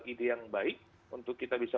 ide yang baik untuk kita bisa